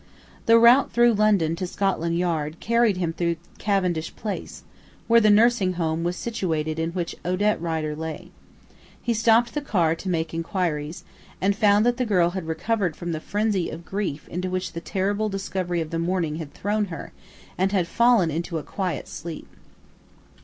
The route through London to Scotland Yard carried him through Cavendish Place, where the nursing home was situated in which Odette Rider lay. He stopped the car to make inquiries, and found that the girl had recovered from the frenzy of grief into which the terrible discovery of the morning had thrown her, and had fallen into a quiet sleep.